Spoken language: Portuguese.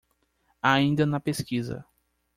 Ainda na pesquisa